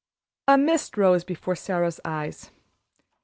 A mist rose before Sara's eyes.